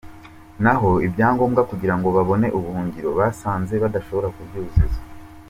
Naho ibyangombwa kugira ngo babone ubuhungiro basanze badashobora kubyuzuza.